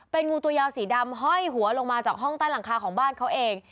เป็นงูตัวยาวสีดำห้อยหัวลงมาจากห้องใต้หลังคาของบ้านเขาเอง